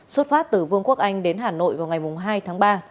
xuất phát từ vương quốc anh đến hà nội vào ngày hai tháng ba